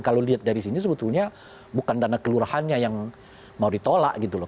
kalau lihat dari sini sebetulnya bukan dana kelurahannya yang mau ditolak gitu loh